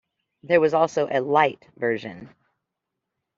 There was also a "light" version.